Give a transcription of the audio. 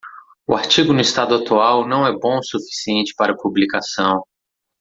O artigo no estado atual não é bom o suficiente para publicação.